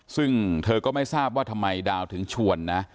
ซึ่งเธอก็ไม่ทราบว่าทำไมดาวถึงชวนนะ